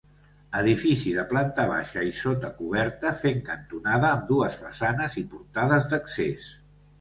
Edifici de planta baixa i sota-coberta, fent cantonada, amb dues façanes i portades d'accés.